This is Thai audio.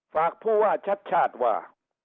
ผู้ว่าชัดชาติว่า